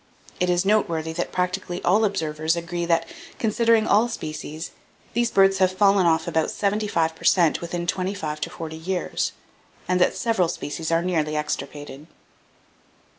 It is noteworthy that practically all observers agree that, considering all species, these birds have fallen off about 75 per cent within twenty five to forty years, and that several species are nearly extirpated."